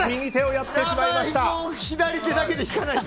左手だけで引かないと。